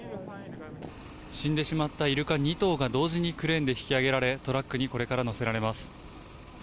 死んでしまったイルカ２頭が同時にクレーンで引き上げられ、トラックにこれからのせられます。